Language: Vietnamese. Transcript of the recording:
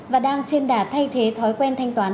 và đang trên đà thay thế thói quen thanh toán